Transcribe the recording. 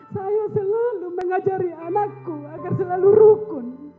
saya selalu mengajari anakku agar selalu rukun